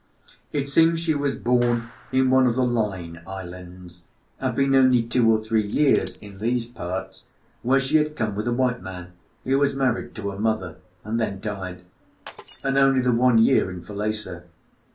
It seems she was born in one of the Line Islands; had been only two or three years in these parts, where she had come with a white man, who was married to her mother and then died; and only the one year in Falesá.